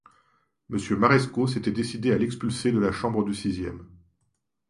Monsieur Marescot s'était décidé à l'expulser de la chambre du sixième.